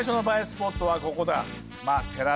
スポットはここだ。